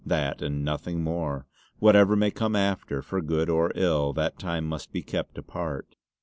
That and nothing more! Whatever may come after, for good or ill, that time must be kept apart."